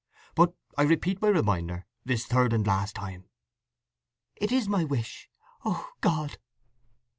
But I repeat my reminder this third and last time." "It is my wish! … O God!"